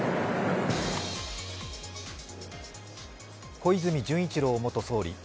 小泉純一郎元総理。